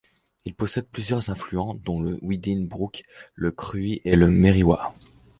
Il possède plusieurs affluents dont le Widdin Brook, le Krui et le Merriwa.